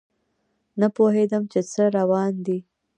نه پوهیدم چې څه روان دي